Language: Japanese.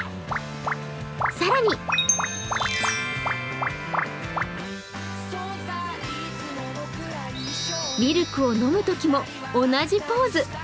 更にミルクを飲むときも同じポーズ。